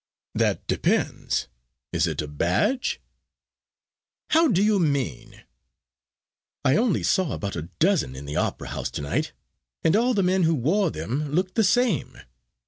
"That depends. Is it a badge?" "How do you mean?" "I only saw about a dozen in the Opera House to night, and all the men who wore them looked the same.